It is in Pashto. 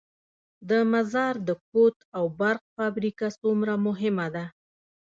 د مزار د کود او برق فابریکه څومره مهمه ده؟